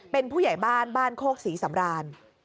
เป็นผู้ใหญ่บ้านบ้านโคกศรีสำราน